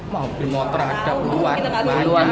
mobil motor ada puluhan